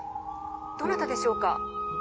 どなたでしょうか？」。